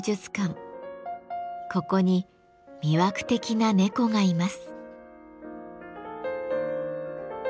ここに魅惑的な猫がいます。